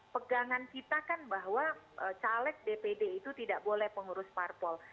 pegangan kita kan bahwa caleg dpd itu tidak boleh pengurus parpol